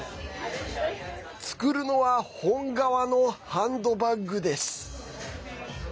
作るのは本革のハンドバッグです。